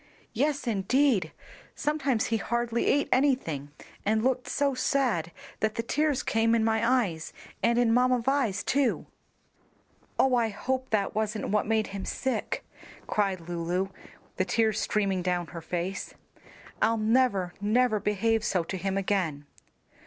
"Yes, indeed; sometimes he hardly ate anything, and looked so sad that the tears came in my eyes, and in Mamma Vi's too." "Oh, I hope that wasn't what made him sick!" cried Lulu, the tears streaming down her face. "I'll never, never behave so to him again."